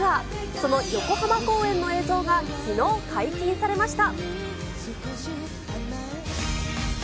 その横浜公演の映像がきのう解禁されました。